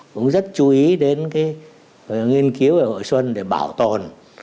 cũng rất chú ý đến cái nghiên cứu về hội xuân để bảo tồn